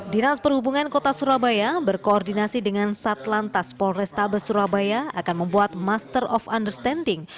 dinas perhubungan kota surabaya berkoordinasi dengan satlantas polrestabes surabaya akan membuat master of understanding